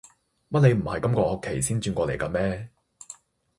乜你唔係今個學期先轉過嚟㗎咩？